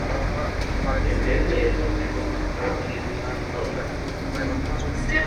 En vez de eso se concentró en escribir historias.